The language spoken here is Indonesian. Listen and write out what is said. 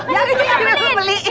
yang itu yang beliin